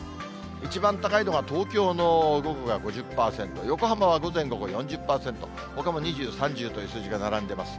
一番高いのが東京の午後が５０％、横浜は午前、午後４０％、ほかも２０、３０という数字が並んでいます。